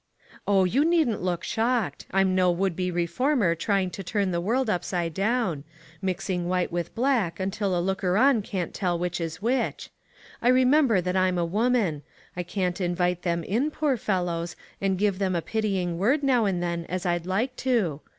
" Oh ! you needn't look shocked ; I am no would be reformer trying to turn the world upside down ; mixing white with black, until a looker on can't tell which is which. I re member that I'm a woman. I can't invite them in, poor fellows, and give them a pity ing word now and then as I'd like to.